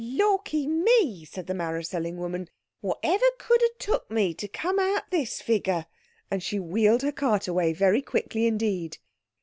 "Lawky me!" said the marrow selling woman, "whatever could a took me to come out this figure?" and she wheeled her cart away very quickly indeed.